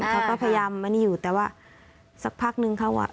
เขาก็พยายามอันนี้อยู่แต่ว่าสักพักนึงเขาอ่ะ